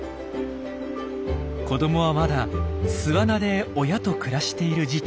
子どもはまだ巣穴で親と暮らしている時期。